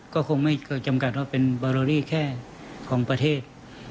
ก็คงไม่เคยจำกัดว่าเป็นบาโลรี่แค่ของประเทศ